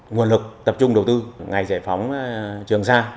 nguồn lực tập trung đầu tư ngày giải phóng trường sa